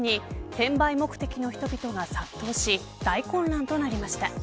ポケモンカードに転売目的の人々が殺到し大混乱となりました。